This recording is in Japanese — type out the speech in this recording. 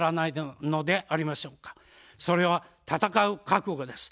それは戦う覚悟です。